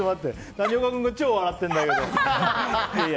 谷岡君が超笑っているんだけど。